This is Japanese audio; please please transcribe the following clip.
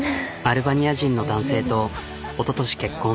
アルバニア人の男性とおととし結婚。